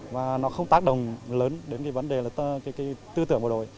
và nó không tác động lớn đến cái vấn đề là cái tư tưởng bộ đội